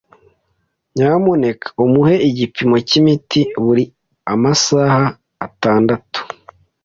Nyamuneka umuhe igipimo cyimiti buri masaha atandatu.